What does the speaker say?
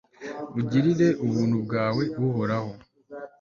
ugirire ubuntu bwawe, uhoraho